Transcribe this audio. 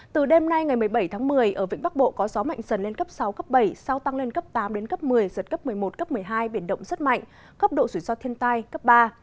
từ đêm nay ngày một mươi bảy tháng một mươi ở vĩnh bắc bộ có gió mạnh dần lên cấp sáu cấp bảy sau tăng lên cấp tám đến cấp một mươi giật cấp một mươi một cấp một mươi hai biển động rất mạnh cấp độ rủi ro thiên tai cấp ba